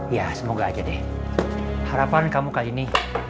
ya semoga aja deh harapan kamu kali ini